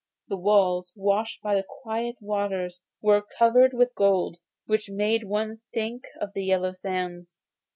The walls, washed by the quiet waters, were covered with gold, which made one think of the yellow sands.